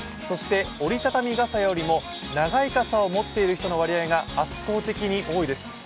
そして、折りたたみ傘よりも長い傘を持っている人の割合が圧倒的に多いです。